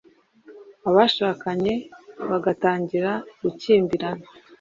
abashakanye bagatangira gukimbirana